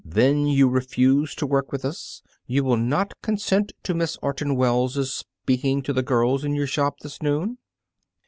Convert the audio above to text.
"Then you refuse to work with us? You will not consent to Miss Orton Wells' speaking to the girls in your shop this noon?"